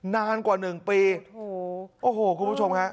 นานกว่าหนึ่งปีโอ้โหคุณผู้ชมฮะ